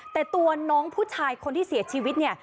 แต่ตัวน้องผู้ชายคนที่เสียชีวิตเนี่ย